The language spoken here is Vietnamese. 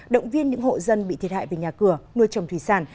động viên những hộ dân bị thiệt hại về nhà cửa nuôi trồng thủy sản